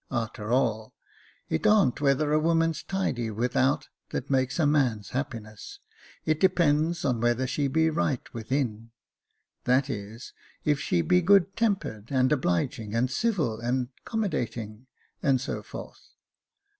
A'ter all, it ar'n't whether a woman's tidy with out that make's a man's happiness ; it depends upon whether she be right within ; that is, if she be good tempered, and obliging, and civil, and, commodating, and so forth.